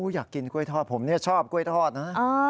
อยากกินกล้วยทอดผมชอบกล้วยทอดนะ